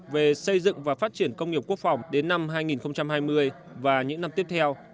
về xây dựng và phát triển công nghiệp quốc phòng đến năm hai nghìn hai mươi và những năm tiếp theo